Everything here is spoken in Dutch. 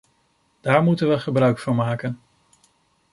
Daar moeten we gebruik van maken.